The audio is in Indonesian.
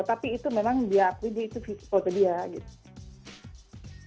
tapi itu memang dia akui dia itu foto dia gitu